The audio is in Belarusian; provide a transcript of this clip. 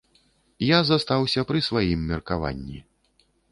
Я застаўся пры сваім меркаванні.